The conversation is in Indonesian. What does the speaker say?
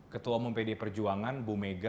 ketua umum pd perjuangan bu mega